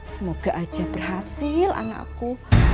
semoga aja berhasil anakku